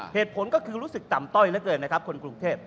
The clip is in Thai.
เหตุผลก็คือรู้สึกต่ำต้อยเหลือเกินนะครับคนกรุงเทพ